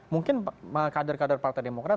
mungkin kader kader partai demokrat